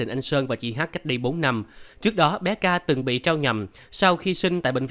anh sơn khóc nất